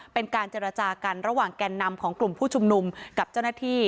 เป็นการเจรจากันระหว่างแก่นนำของกลุ่มผู้ชุมนุมกับเจ้าหน้าที่